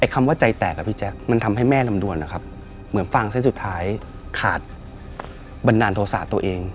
คำว่าใจแตกอะพี่แจ๊คมันทำให้แม่ลำดวนนะครับเหมือนฟังเส้นสุดท้ายขาดบันดาลโทษะตัวเอง